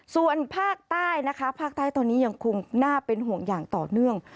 ส่วนภาคใต้นะคะภาคใต้ตอนนี้ยังคงน่าเป็นห่วงอย่างต่อเนื่อง